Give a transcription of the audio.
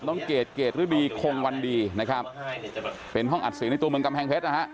เกรดเกรดฤดีคงวันดีนะครับเป็นห้องอัดเสียงในตัวเมืองกำแพงเพชรนะฮะ